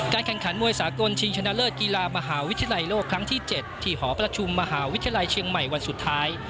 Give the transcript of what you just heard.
แข่งขันมวยสากลชิงชนะเลิศกีฬามหาวิทยาลัยโลกครั้งที่๗ที่หอประชุมมหาวิทยาลัยเชียงใหม่วันสุดท้าย